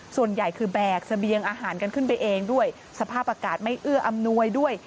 ส่วนใหญ่คือแบกเสบียงอาหารกันขึ้นไปเองด้วยสภาพอากาศไม่เอื้ออำนวยด้วย